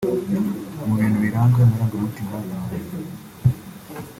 Mu bintu biranga amarangamutima ya muntu